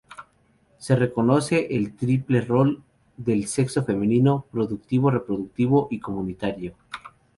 Se reconoce el triple rol del sexo femenino: productivo, reproductivo y comunitario.